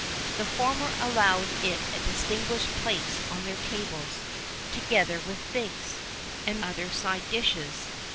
The former allowed it a distinguished place on their tables, together with figs, and other side dishes.